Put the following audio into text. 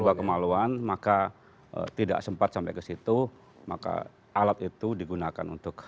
sebuah kemaluan maka tidak sempat sampai ke situ maka alat itu digunakan untuk